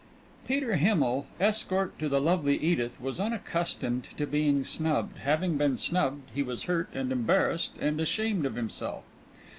V Peter Himmel, escort to the lovely Edith, was unaccustomed to being snubbed; having been snubbed, he was hurt and embarrassed, and ashamed of himself.